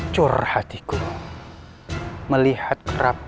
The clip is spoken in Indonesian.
sudah diseases